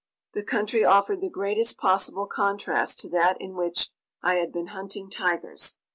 The country offered the greatest possible contrast to that in which I had been hunting tigers.